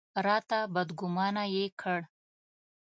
راته بدګومانه یې کړ.